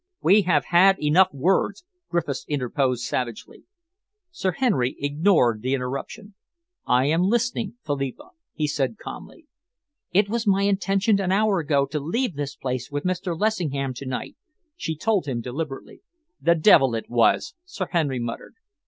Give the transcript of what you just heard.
"We have had enough words," Griffiths interposed savagely. Sir Henry ignored the interruption. "I am listening, Philippa," he said calmly. "It was my intention an hour ago to leave this place with Mr. Lessingham to night," she told him deliberately. "The devil it was!" Sir Henry muttered.